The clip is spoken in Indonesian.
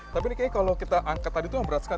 tapi ini kalau kita angkat tadi itu yang berat sekali